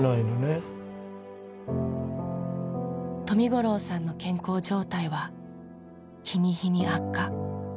冨五郎さんの健康状態は日に日に悪化。